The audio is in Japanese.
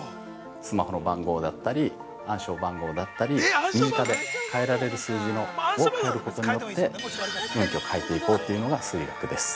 スマホの番号だったり暗証番号だったり身近で変えられる数字を変えることによって運気を変えていこうというのが数意学です。